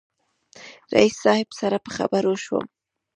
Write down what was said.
رئیس صاحب سره په خبرو شوم.